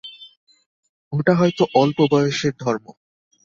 ওটা হয়তো অল্প বয়সের ধর্ম।